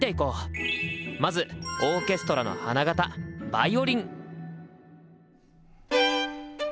まずオーケストラの花形ヴァイオリン！